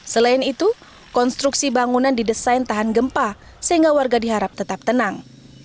selain itu konstruksi bangunan didesain tahan gempa sehingga warga diharap tetap tenang